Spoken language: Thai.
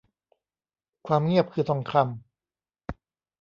ความเงียบคือทองคำ